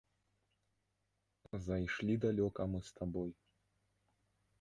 Зайшлі далёка мы з табой.